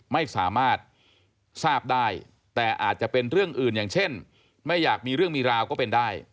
ไม่สามารถทราบได้แต่อาจจะเป็นเรื่องอื่นอย่างเช่นไม่อยากมีเรื่องมีราวก็เป็นได้